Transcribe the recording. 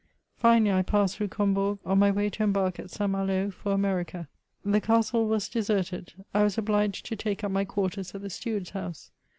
Finally, I passed .through Combourg, on my way to embark at St. Malo for America. The castle was deserted, I was obliged to take up my quarters at the steward's house.